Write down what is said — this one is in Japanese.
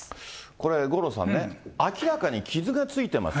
これ、五郎さんね、明らかに傷がついてます。